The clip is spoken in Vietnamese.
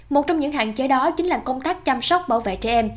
một trong những hạn chế đó chính là công tác chăm sóc bảo vệ trẻ em